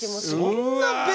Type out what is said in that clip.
そんなの。